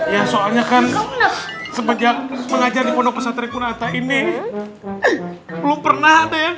ya soalnya kan semenjak mengajar di pondok pesantren kunata ini belum pernah ada ya